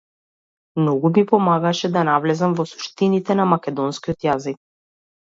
Многу ми помагаше да навлезам во суштините на македонскиот јазик.